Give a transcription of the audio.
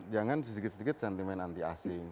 jangan sedikit sedikit sentimen anti asing